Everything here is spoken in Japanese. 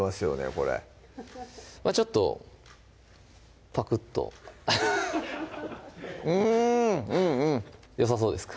これちょっとパクッとうんうんうんよさそうですか？